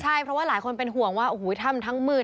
เพราะว่าหลายคนเป็นห่วงว่าถ้ำทั้งมืด